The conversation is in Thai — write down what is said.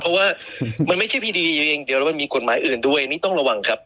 เพราะว่ามันไม่ใช่พีดีอยู่อย่างเดียวแล้วมันมีกฎหมายอื่นด้วยนี่ต้องระวังครับ